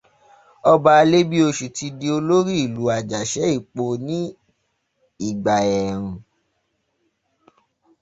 Ọba Alébíoṣù ti di olórí ìlú Àjàṣẹ́-Ìpo ní ìgbà ẹ̀ẹ̀rùn